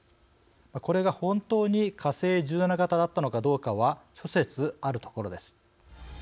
これが本当に火星１７型だったのかどうかは諸説あるところです。